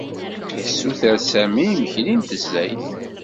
Yessuter Sami imekli n tnezzayt.